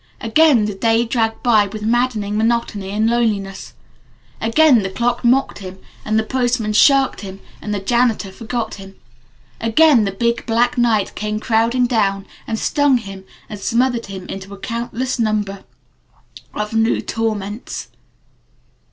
Again the day dragged by with maddening monotony and loneliness. Again the clock mocked him, and the postman shirked him, and the janitor forgot him. Again the big, black night came crowding down and stung him and smothered him into a countless number of new torments.